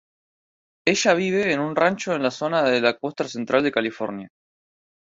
Ella vive en un rancho en la zona de la costa central de California.